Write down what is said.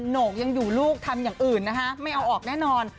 โหนกยังอยู่ลูกทำอย่างอื่นนะคะไม่เอาออกแน่นอน